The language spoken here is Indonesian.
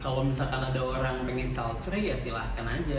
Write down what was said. kalau misalkan ada orang yang ingin childfree ya silahkan aja